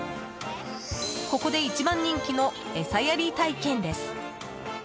ここで一番人気の餌やり体験です。